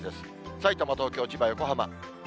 さいたま、東京、千葉、横浜。